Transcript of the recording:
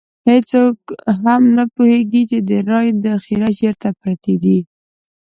هېڅوک هم نه پوهېږي چې د رایو ذخیرې چېرته پرتې دي.